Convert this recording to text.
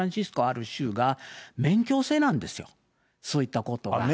ある州が、免許制なんですよ、そういったことは。